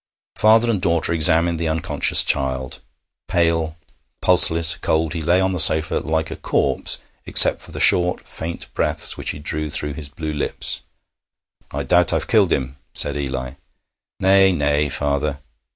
Father and daughter examined the unconscious child. Pale, pulseless, cold, he lay on the sofa like a corpse except for the short, faint breaths which he drew through his blue lips. 'I doubt I've killed him,' said Eli. 'Nay, nay, father!'